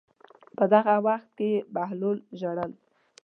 په دغه وخت کې بهلول ژړل.